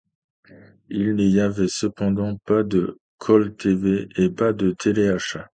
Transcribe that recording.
Il n'y avait cependant pas de call-tv et pas de téléachats.